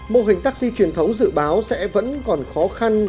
mô hình taxi truyền thống dự báo sẽ vẫn còn khó khăn